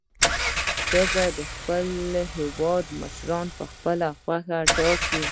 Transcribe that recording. ښځې د خپل هیواد مشران په خپله خوښه ټاکي.